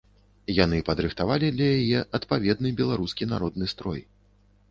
Яны падрыхтавалі для яе адпаведны беларускі народны строй.